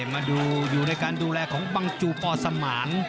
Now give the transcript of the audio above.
มาดูอยู่ในการดูแลของบังจูปอสมาน